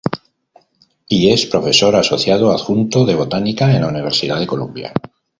Y es profesor asociado adjunto de Botánica en la Universidad de Columbia.